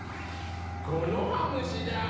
コノハムシだ！